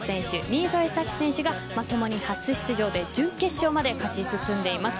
新添左季選手がともに初出場で準決勝まで勝ち進んでいます。